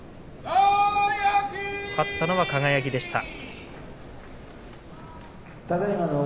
勝ったのは輝でした。